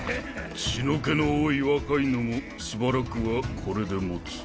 血の気の多い若いのもしばらくはこれでもつ。